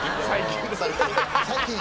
最近？